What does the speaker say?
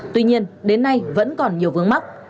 tuy nhiên đến nay vẫn còn nhiều vướng mắc